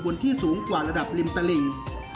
ที่สูงกว่าระดับริมตลิ่ง